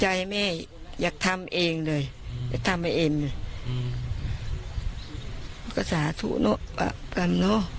ใจแม่อยากทำเองเลยอยากทำไว้เองเลย